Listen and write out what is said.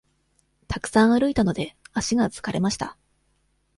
たくさん歩いたので、足が疲れました。